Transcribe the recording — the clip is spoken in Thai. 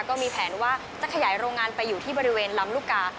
ก็มีแผนว่าจะขยายโรงงานไปอยู่ที่บริเวณลำลูกกา